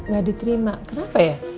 gak diterima kenapa ya